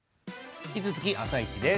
引き続き「あさイチ」です。